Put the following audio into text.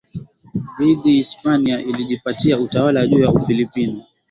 dhidi Hispania ilijipatia utawala juu ya Ufilipino